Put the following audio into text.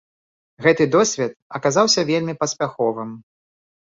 Гэты досвед аказаўся вельмі паспяховым.